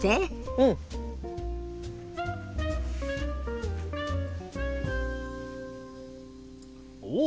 うん！おっ！